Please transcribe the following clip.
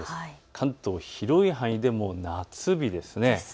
関東の広い範囲で夏日です。